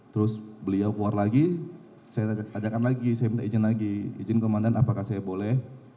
terus beliau keluar lagi saya ajakkan lagi saya minta izin lagi izin komandan apakah saya boleh